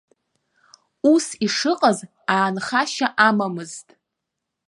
Ус ишыҟаз аанхашьа амамызт.